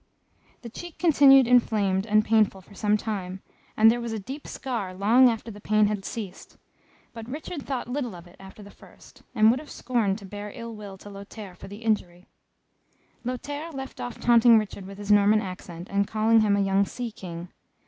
The cheek continued inflamed and painful for some time, and there was a deep scar long after the pain had ceased, but Richard thought little of it after the first, and would have scorned to bear ill will to Lothaire for the injury. Lothaire left off taunting Richard with his Norman accent, and calling him a young Sea king.